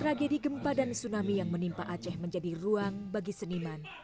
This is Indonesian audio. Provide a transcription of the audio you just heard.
tragedi gempa dan tsunami yang menimpa aceh menjadi ruang bagi seniman